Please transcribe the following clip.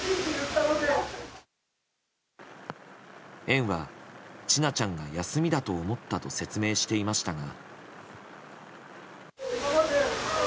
園は千奈ちゃんが休みだと思ったと説明していましたが。